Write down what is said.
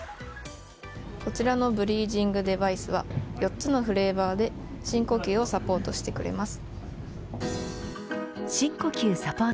こちらのブリージングデバイスは４つのフレーバーで深呼吸をサポートしてくれます。